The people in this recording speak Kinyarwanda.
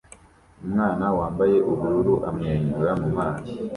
Umwana wambaye ubururu amwenyura mumazi